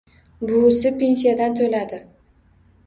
Buvisi pensiyasidan to'ladi